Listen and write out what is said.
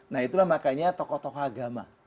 nah itulah makanya tokoh tokoh agama